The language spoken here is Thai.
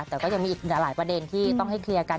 แต่ก็ยังมีอีกหลายประเด็นที่ต้องให้เคลียร์กัน